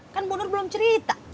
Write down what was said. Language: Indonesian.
kan bu nur belum cerita